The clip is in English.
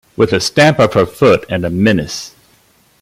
With a stamp of her foot and a menace.